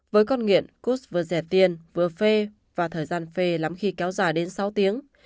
với con nghiện cúss vừa rẻ tiền vừa phê và thời gian phê lắm khi kéo dài đến sáu tiếng